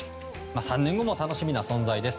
３年後も楽しみな存在です。